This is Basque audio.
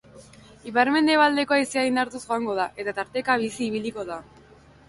Ipar-mendebaldeko haizea indartuz joango da, eta tarteka bizi ibiliko da.